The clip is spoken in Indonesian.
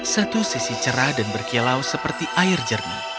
satu sisi cerah dan berkilau seperti air jernih